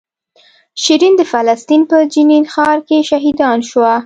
شیرین د فلسطین په جنین ښار کې شهیدان شوه.